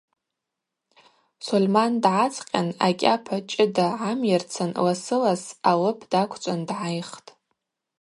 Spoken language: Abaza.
Сольман дгӏацӏкъьан акӏьапа чӏыда гӏамйырцын ласы-лас алып даквчӏван дгӏайхтӏ.